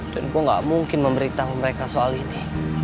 dan gue gak mungkin memberitahu mereka soal ini